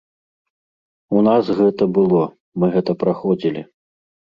У нас гэта было, мы гэта праходзілі.